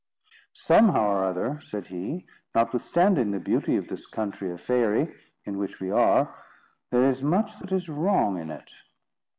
"Somehow or other," said he, "notwithstanding the beauty of this country of Faerie, in which we are, there is much that is wrong in it.